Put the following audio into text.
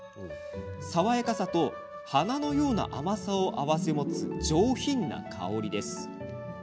爽やかさと花のような甘さを合わせ持つ上品な香りです。